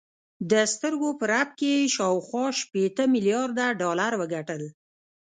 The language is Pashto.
د سترګو په رپ کې یې شاوخوا شپېته میلارده ډالر وګټل